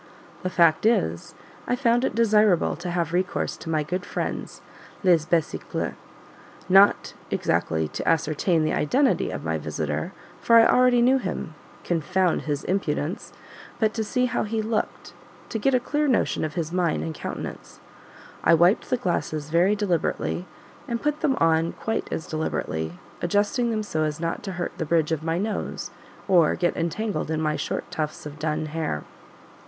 The fact is, I found it desirable to have recourse to my good friends "les besicles;" not exactly to ascertain the identity of my visitor for I already knew him, confound his impudence! but to see how he looked to get a clear notion of his mien and countenance. I wiped the glasses very deliberately, and put them on quite as deliberately; adjusting them so as not to hurt the bridge of my nose or get entangled in my short tufts of dun hair.